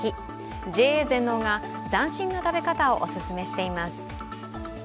ＪＡ全農が斬新な食べ方をオススメしています。